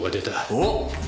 おっ！